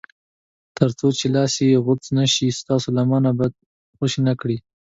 تر څو چې لاس یې غوڅ نه شي ستاسو لمنه به خوشي نه کړي.